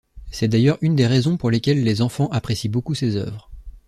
C’est d'ailleurs une des raisons pour lesquelles les enfants apprécient beaucoup ses œuvres.